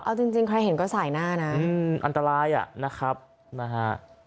เอาจริงใครเห็นก็สายหน้านะอันตรายอ่ะนะครับนะฮะ